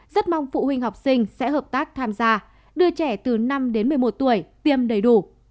rất mong phụ huynh học sinh sẽ hợp tác tham gia đưa trẻ từ năm đến một mươi một tuổi tiêm đầy đủ